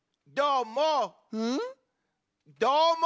どーも！